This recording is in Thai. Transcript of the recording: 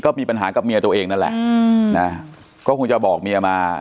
ก็มีปัญหากับเมียตัวเองนั่นแหละอืมนะก็คงจะบอกเมียมา